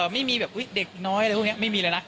ไม่มีแบบเด็กน้อยอะไรพวกนี้ไม่มีเลยนะ